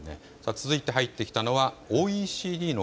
続いて入ってきたのはＯＥＣＤの